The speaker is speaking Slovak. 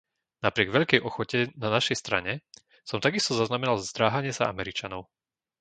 Napriek veľkej ochote na našej strane som takisto zaznamenal zdráhanie sa Američanov.